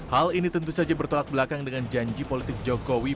hal ini tentu saja bertolak belakang dengan janji politik jokowi